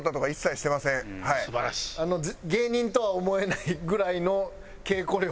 芸人とは思えないぐらいの稽古量は。